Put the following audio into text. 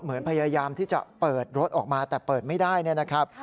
พยายามที่จะเปิดรถออกมาแต่เปิดไม่ได้เนี่ยนะครับ